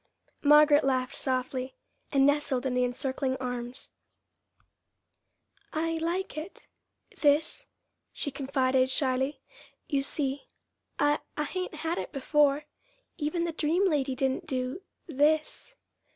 Margaret laughed softly, and nestled in the encircling arms. "I like it this," she confided shyly. "You see, I I hain't had it before. Even the dream lady didn't do this."